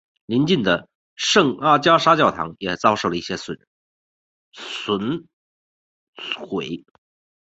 邻近的圣阿加莎教堂也遭受了一些损毁。